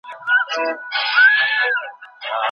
د ودونو دودونه په هر ځای کې یو شان نه دي.